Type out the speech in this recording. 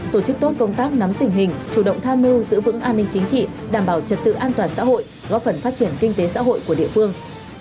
tổ chức tốt công tác nắm tình hình chủ động tham mưu giữ vững an ninh chính trị đảm bảo trật tự an toàn xã hội góp phần phát triển kinh tế xã hội của địa phương